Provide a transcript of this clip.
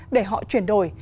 để họ chuyển đổi